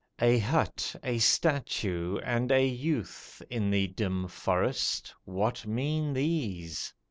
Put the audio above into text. A hut, a statue, and a youth In the dim forest, what mean these?